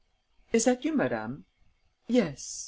"Is that you, madame?" "Yes.